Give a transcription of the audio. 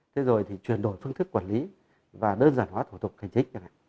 thế rồi thì chuyển đổi phương thức quản lý và đơn giản hóa thủ tục hành chính